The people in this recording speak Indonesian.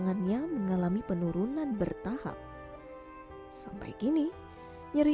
wanita empat puluh delapan tahun ini telah lama hanya bisa beraktifitas dari atas tempat tidurnya saja